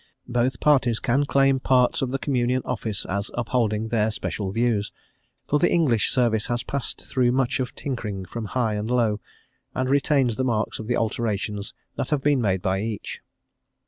Both parties can claim parts of the Communion Office as upholding their special views, for the English service has passed through much of tinkering from High and Low, and retains the marks of the alterations that have been made by each.